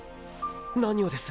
何をです？